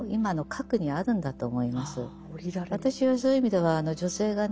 私はそういう意味では女性がね